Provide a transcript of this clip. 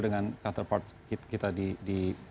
dengan counterpart kita di